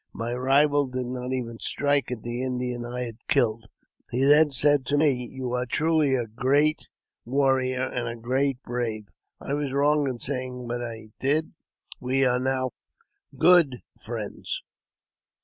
My rival did not even strike at the Indian I had killed. He then said to me, " You are truly a great v^arrior and a great brave ; I was wrong in saying what I did. We are now good friends."